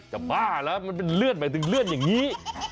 บ้าแล้วมันเป็นเลือดหมายถึงเลื่อนอย่างนี้